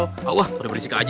oh wah berisik aja